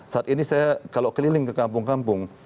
saat ini saya kalau keliling ke kampung kampung